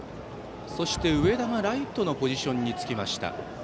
そして上田がライトのポジションにつきました。